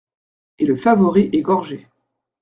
Et le favori est gorgé.